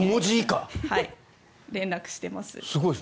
連絡しています。